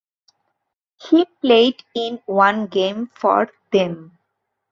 He played in one game for them.